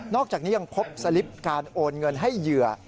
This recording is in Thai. อกจากนี้ยังพบสลิปการโอนเงินให้เหยื่อ